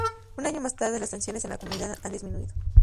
Un año más tarde, las tensiones en la comunidad han disminuido.